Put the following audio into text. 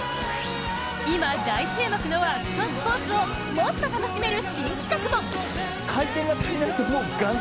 今、大注目のアクションスポーツをもっと楽しめる新企画も。